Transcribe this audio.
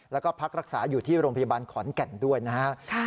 แล้วก็พักรักษาอยู่ที่โรงพยาบาลขอนแก่นด้วยนะฮะ